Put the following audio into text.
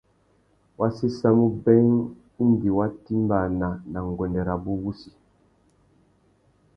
Wa séssamú being indi wa timbāna nà nguêndê rabú wussi.